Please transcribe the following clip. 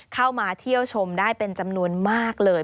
เข้ามาเที่ยวชมได้เป็นจำนวนมากเลย